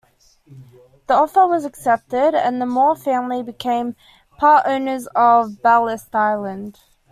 The offer was accepted and the Moore family became part owners of Ballast Island.